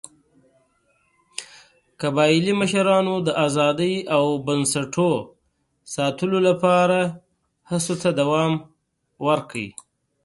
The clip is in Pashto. قبایلي مشرانو د ازادۍ او بنسټونو ساتلو لپاره هڅو ته دوام ورکړ.